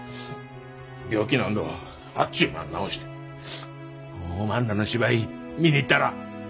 病気なんどあっちゅう間に治しておまんらの芝居見に行ったるわ。